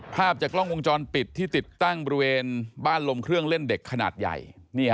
ภาพจากกล้องวงจรปิดที่ติดตั้งบริเวณบ้านลมเครื่องเล่นเด็กขนาดใหญ่